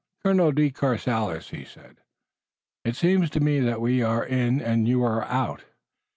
"Colonel de Courcelles," he said, "it seems to me that we are in and you are out.